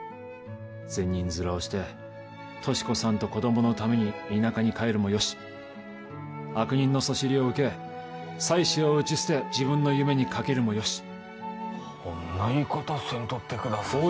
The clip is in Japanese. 善人面をして俊子さんと子供のために田舎に帰るもよし悪人のそしりを受け妻子を打ち捨て自分の夢にかけるもよしほんな言い方せんとってください